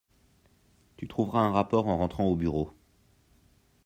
Tu trouveras un rapport en rentrant au bureau.